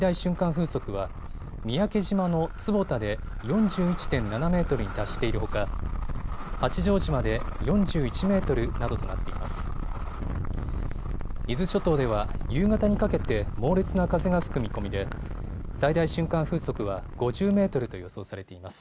風速は三宅島の坪田で４１．７メートルに達しているほか八丈島で４１メートルなどとなっています。